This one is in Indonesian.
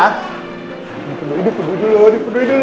dipenuhi dipenuhi dulu dipenuhi dulu